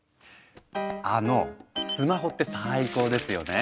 あのぉスマホって最高ですよね？